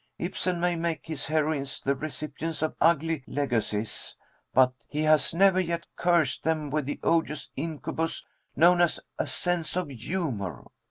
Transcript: Ibsen may make his heroines the recipients of ugly legacies, but he has never yet cursed them with the odious incubus known as 'a sense of humor.'